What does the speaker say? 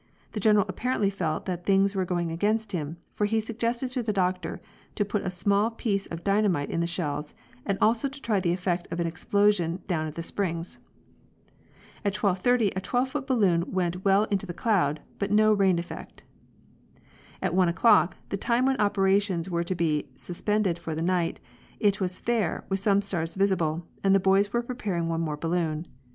The General apparently felt that things were going against him, for he suggested to the Doctor to put a small piece of dynamite in the shells, and also to try the effect of an explosion down at the Springs. At 12.30 a 12 foot balloon went well into the cloud, but no rain effect. At 1 o'clock, the time when operations were to be suspended for the night, it was fair, with some stars visible, and the boys were preparing one more balloon.